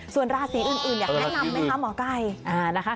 ส่วนราศีอื่นอยากแนะนำไหมคะหมอไก่นะคะ